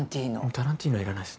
タランティーノいらないっす。